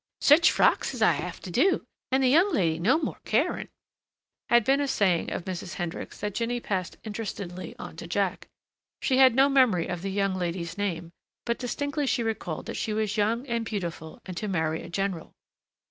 "Such frocks h'as h'I 'ave to do and the young lady no more caring!" had been a saying of the Hendricks that Jinny passed interestedly on to Jack. She had no memory of the young lady's name, but distinctly she recalled that she was young and beautiful and to marry a general.